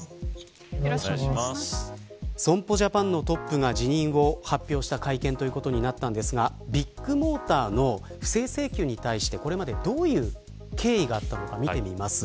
損保ジャパンのトップが辞任を発表した会見ということになったんですがビッグモーターの不正請求に対してこれまでどういう経緯があったのか見てみます。